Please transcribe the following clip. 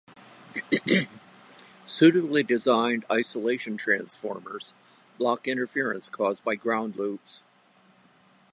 Suitably designed isolation transformers block interference caused by ground loops.